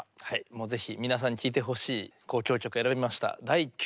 もうぜひ皆さんに聴いてほしい交響曲を選びました。